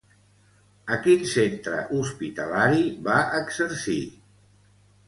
A quin centre hospitalari va exercir?